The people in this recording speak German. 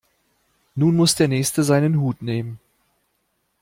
Nun muss der Nächste seinen Hut nehmen.